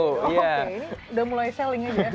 oke ini udah mulai selling ya